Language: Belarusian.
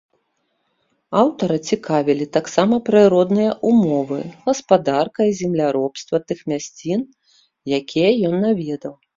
Аўтара цікавілі таксама прыродныя ўмовы, гаспадарка і земляробства тых мясцін, якія ён наведаў.